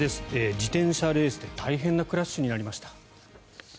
自転車レースで大変なクラッシュになりました。